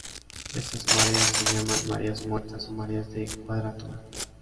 Estas mareas se llaman mareas muertas o mareas de cuadratura.